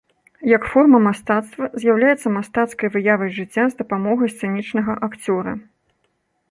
Як форма мастацтва з'яўляецца мастацкай выявай жыцця з дапамогай сцэнічнага акцёра.